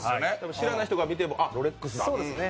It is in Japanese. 知らない人が見ても、あ、ロレックスだと。